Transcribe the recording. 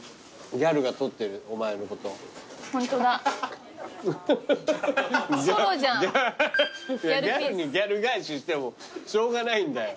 ギャルにギャル返ししてもしょうがないんだよ。